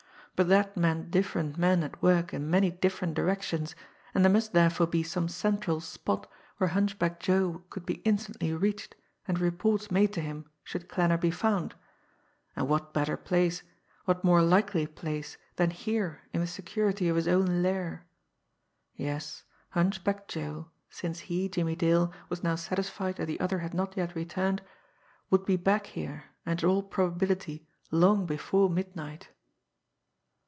But that meant different men at work in many different directions, and there must therefore be some central spot where Hunchback Joe could be instantly reached and reports made to him should Klanner be found and what better place, what more likely place than here in the security of his own lair! Yes, Hunchback Joe, since he, Jimmie Dale, was now satisfied that the other had not yet returned, would be back here, and, in all probability, long before midnight.